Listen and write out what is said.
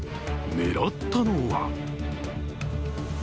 狙ったのは？